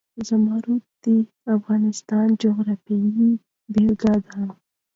زمرد د افغانستان د جغرافیې بېلګه ده.